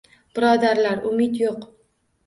Birodarlar, umid yo’q